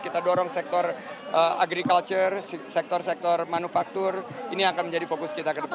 kita dorong sektor agriculture sektor sektor manufaktur ini akan menjadi fokus kita ke depan